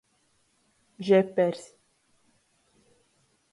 Žepers.